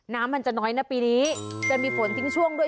น้ำมันจะน้อยนะปีนี้จะมีฝนทิ้งช่วงด้วย